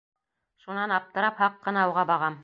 Шунан аптырап һаҡ ҡына уға бағам.